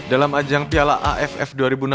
dalam ajang piala aff dua ribu enam belas